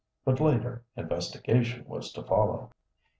But later investigation was to follow.